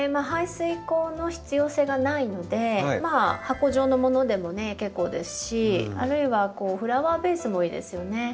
排水口の必要性がないのでまあ箱状のものでも結構ですしあるいはフラワーベースもいいですよね。